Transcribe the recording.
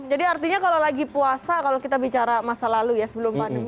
artinya kalau lagi puasa kalau kita bicara masa lalu ya sebelum pandemi